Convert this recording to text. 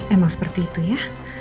emang seperti itu ya